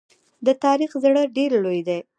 د تاریخ زړه ډېر لوی دی.